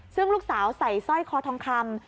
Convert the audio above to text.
ซึ่งลูกสาวใส่สร้อยคอทองคำ